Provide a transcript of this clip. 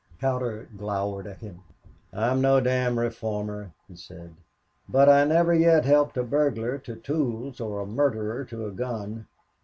Cowder glowered at him. "I'm no damned reformer," he said, "but I never yet helped a burglar to tools or a murderer to a gun."